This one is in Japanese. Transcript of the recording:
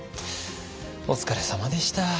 お疲れさまでした。